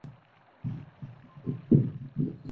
她死后葬于圣体修道院。